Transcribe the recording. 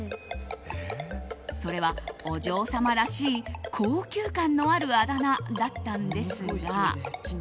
それはお嬢様らしい高級感のあるあだ名だったんですが。